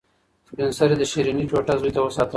سپین سرې د شیرني ټوټه زوی ته وساتله.